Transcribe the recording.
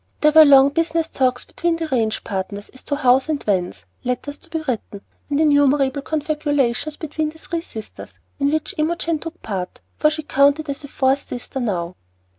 There were long business talks between the ranch partners as to hows and whens, letters to be written, and innumerable confabulations between the three sisters, in which Imogen took part, for she counted as a fourth sister now.